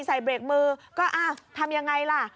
เบรกมือก็อ้าวทำยังไงล่ะ